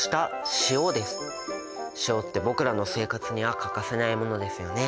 塩って僕らの生活には欠かせないものですよね。